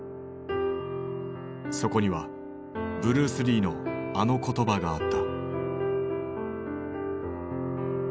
そこにはブルース・リーのあの言葉があった。